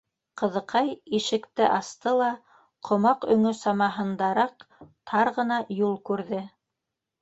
Ҡыҙыҡай ишекте асты ла, ҡомаҡ өңө самаһындараҡ тар ғына юл күрҙе.